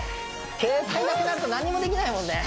携帯なくなると何にもできないもんね